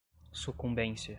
sucumbência